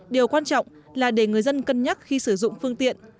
điều quan trọng là để người dân cân nhắc khi sử dụng phương tiện